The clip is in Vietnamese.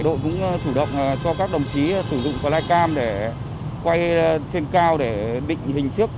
đội cũng chủ động cho các đồng chí sử dụng flycam để quay trên cao để định hình trước